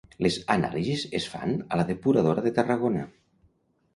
Les anàlisis es fan a la depuradora de Tarragona.